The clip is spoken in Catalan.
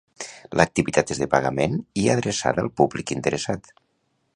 L'activitat és de pagament i adreçada al públic interessat.